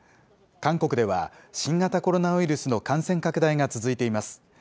韓国では、新型コロナウイルスの感染拡大が続いています。